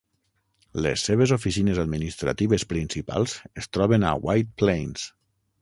Les seves oficines administratives principals es troben a White Plains.